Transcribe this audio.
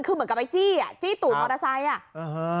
คือเหมือนกับไปจี้อ่ะจี้ตู่มอเตอร์ไซค์อ่ะอ่าฮะ